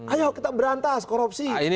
ayo kita berantas korupsi